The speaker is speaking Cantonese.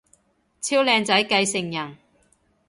超靚仔繼承人